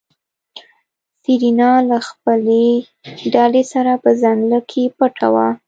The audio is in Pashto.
سېرېنا له خپلې ډلې سره په ځنګله کې پټه وه.